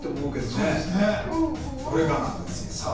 そうですねどれかなんですよさあ